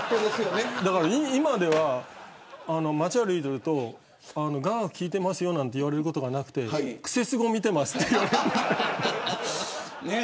今では街を歩いていると雅楽聞いていますよなんて言われることがなくてクセスゴ見てますって。